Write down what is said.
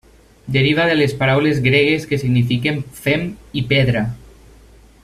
Deriva de les paraules gregues que signifiquen fem i pedra.